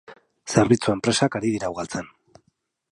zerbitzu enpresak ari dira ugaltzen